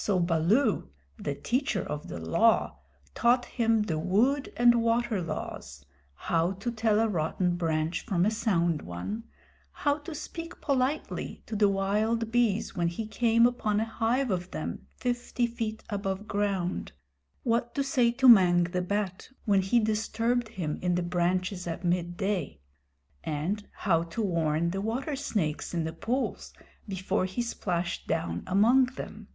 So Baloo, the Teacher of the Law, taught him the Wood and Water Laws: how to tell a rotten branch from a sound one; how to speak politely to the wild bees when he came upon a hive of them fifty feet above ground; what to say to Mang the Bat when he disturbed him in the branches at midday; and how to warn the water snakes in the pools before he splashed down among them.